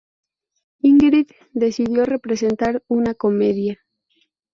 Ingrid decidió representar una comedia.